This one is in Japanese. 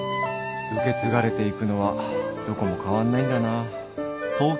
受け継がれていくのはどこも変わんないんだな。